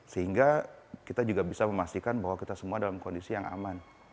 sehingga kita juga bisa memastikan bahwa kita semua dalam kondisi yang aman